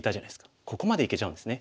ここまでいけちゃうんですね。